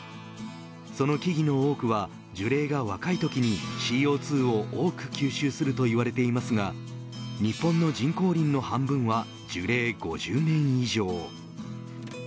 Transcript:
その木々の多くは樹齢が若いときにＣＯ２を多く吸収するといわれていますが日本の人口林の半分は樹齢５０年以上。